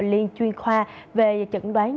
liên chuyên khoa về chẩn đoán